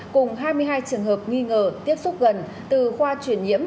cùng hai mươi hai trường hợp nghi ngờ tiếp xúc gần từ khoa chuyển nhiễm